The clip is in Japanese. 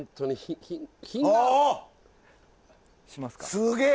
すげえ！